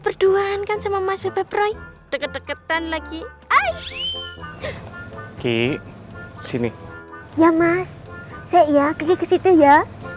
berduaan kan sama mas pepe pray deket deketan lagi hai ki sini ya mas saya ke situ ya